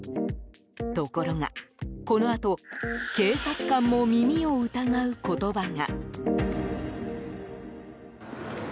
ところが、このあと警察官も耳を疑う言葉が。